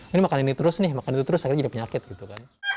ini makan ini terus nih makan itu terus akhirnya jadi penyakit gitu kan